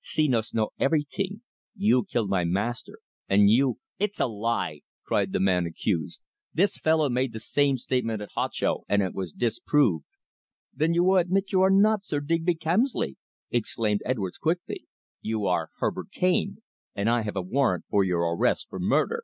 Senos know every ting. You kill my master, and you " "It's a lie!" cried the man accused. "This fellow made the same statement at Huacho, and it was disproved." "Then you admit you are not Sir Digby Kemsley?" exclaimed Edwards quickly. "You are Herbert Cane, and I have a warrant for your arrest for murder."